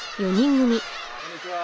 こんにちは。